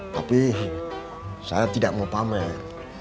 tapi saya tidak mau pamer